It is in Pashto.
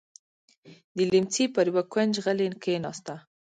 د ليمڅي پر يوه کونج غلې کېناسته.